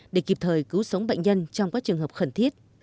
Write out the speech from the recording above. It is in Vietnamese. để kịp thời cứu sống bệnh nhân trong các trường hợp khẩn thiết